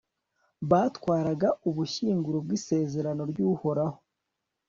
batwaraga ubushyinguro bw'isezerano ry'uhoraho